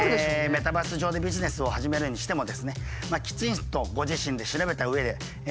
メタバース上でビジネスを始めるにしてもきちんとご自身で調べたうえで理解したうえでですね